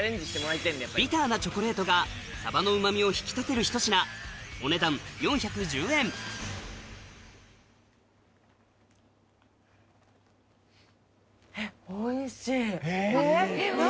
ビターなチョコレートがさばのうま味を引き立てるひと品お値段４１０円えぇ？